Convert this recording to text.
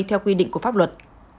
theo quy định của pháp luật